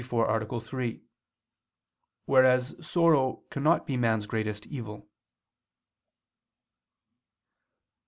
34, A. 3): whereas sorrow cannot be man's greatest evil.